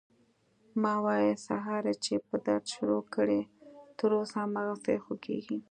ما وويل سهار يې چې په درد شروع کړى تر اوسه هماغسې خوږېږي.